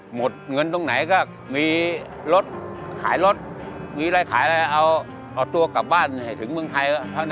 หมดเงินตรงไหนก็มีรถขายรถมีอะไรขายอะไรเอาตัวกลับบ้านให้ถึงเมืองไทยเท่านั้น